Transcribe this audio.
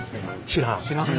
知らん？